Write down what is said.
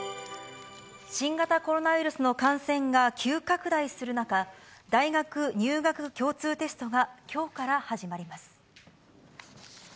新型コロナウイルスの感染が急拡大する中、大学入学共通テストがきょうから始まります。